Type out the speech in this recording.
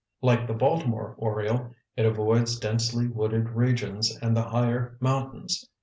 Like the Baltimore Oriole, it avoids densely wooded regions and the higher mountains.